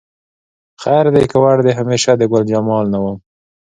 خیر دی که وړ دې همیشه د ګلجمال نه وم